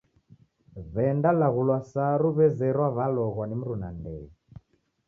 W'endalaghulwa saru w'ezerwa w'aloghwa ni mruna ndee.